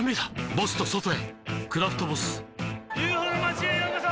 ボスと外へ「クラフトボス」ＵＦＯの町へようこそ！